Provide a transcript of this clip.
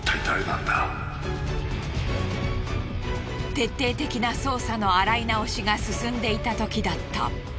徹底的な捜査の洗い直しが進んでいたときだった。